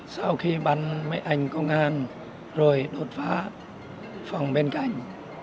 sau khi bắn mấy anh công an rồi đột phá phòng bên cạnh